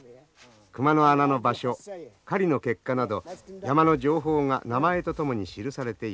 熊の穴の場所狩りの結果など山の情報が名前と共に記されています。